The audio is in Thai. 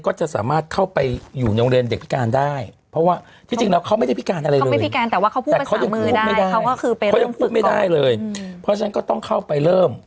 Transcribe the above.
เขาก็คือไปเริ่มฝึกของเขายังพูดไม่ได้เลยเพราะฉะนั้นก็ต้องเข้าไปเริ่ม